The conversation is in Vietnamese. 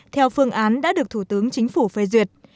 theo phương án đã được thủ tướng chính phủ phê duyệt